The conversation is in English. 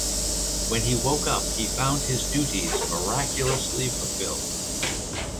When he woke up he found his duties miraculously fulfilled.